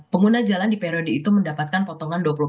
pengguna jalan di periode itu mendapatkan potongan dua puluh empat